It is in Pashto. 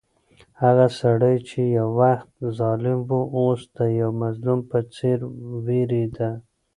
هغه سړی چې یو وخت ظالم و، اوس د یو مظلوم په څېر وېرېده.